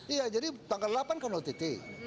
iya jadi tanggal delapan kan ott